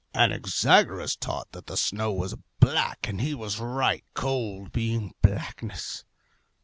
Anaxagoras taught that the snow was black; and he was right, cold being blackness.